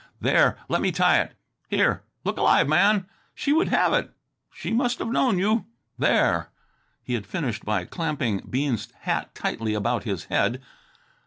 There! Let me tie it. Here! Look alive man! She would have it. She must have known you. There!" He had finished by clamping Bean's hat tightly about his head.